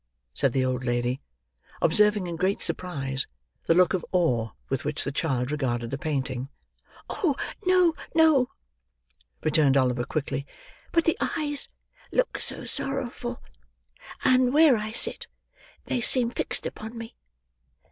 said the old lady: observing in great surprise, the look of awe with which the child regarded the painting. "Oh no, no," returned Oliver quickly; "but the eyes look so sorrowful; and where I sit, they seem fixed upon me.